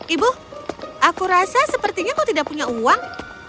ibu aku rasa sepertinya kau tidak punya uang